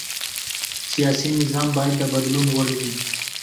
سیاسي نظام باید د بدلون وړ وي